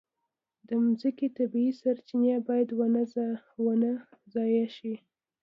د مځکې طبیعي سرچینې باید ونه ضایع شي.